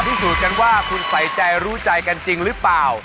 พิสูจน์กันว่าคุณใส่ใจรู้ใจกันจริงหรือเปล่า